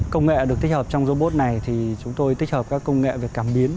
công nghệ được tích hợp trong robot này thì chúng tôi tích hợp các công nghệ về cảm biến